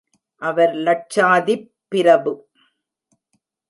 அவர் லட்சாதிப் பிரபு.